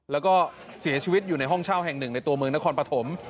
แล้วก็เสียชีวิตอยู่ในห้องเช่าแห่งหนึ่งในตัวเมืองนครปฐม